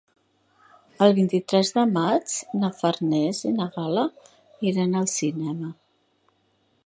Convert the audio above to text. El vint-i-tres de maig na Farners i na Gal·la iran al cinema.